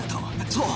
そう！